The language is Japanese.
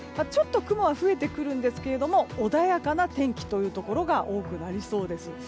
雲は増えてくるんですけど穏やかな天気というところが多くなりそうです。